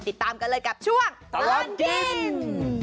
ติดตามกันเลยกับช่วงตลอดกิน